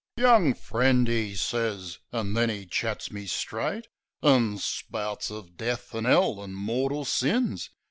"Young friend," 'e sez. An' then 'e chats me straight; An' spouts of death, an' 'ell, an' mortal sins.